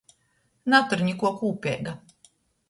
Natur nikuo kūpeiga.